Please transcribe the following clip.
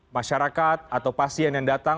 masyarakat atau pasien yang datang